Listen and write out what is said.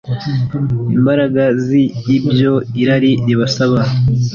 imbaraga zi byo irari ribasaba